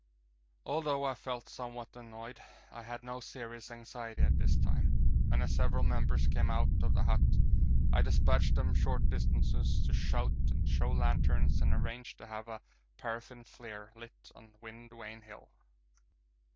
Although I felt somewhat annoyed, I had no serious anxiety at this time, and as several members came out of the hut I despatched them short distances to shout and show lanterns and arranged to have a paraffin flare lit on Wind Vane Hill.